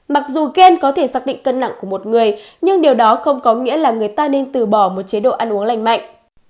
mặc dù kiên có thể xác định cân nặng của một người nhưng điều đó không có nghĩa là người ta nên từ bỏ một chế độ ăn uống lành mạnh